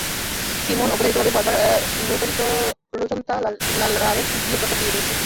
Simon অবধারিতভাবেই বারবার রোজেন্থ্যালারের বিয়ের প্রস্তাব ফিরিয়ে দিয়েছে।